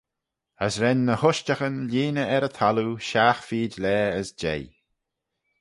As ren ny ushtaghyn lhieeney er y thalloo shiaght feed laa as jeih.